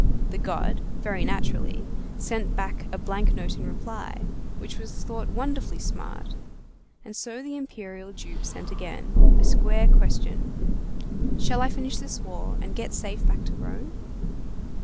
The god (very naturally) sent back a blank note in reply, which was thought wonderfully smart; and so the imperial dupe sent again, a square question: "Shall I finish this war and get safe back to Rome?"